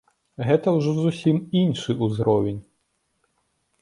Гэта ўжо зусім іншы ўзровень.